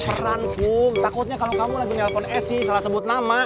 takutnya kalau kamu lagi nyalpon esy salah sebut nama